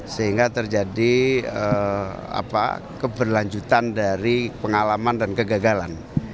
sehingga terjadi keberlanjutan dari pengalaman dan kegagalan